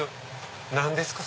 何ですか？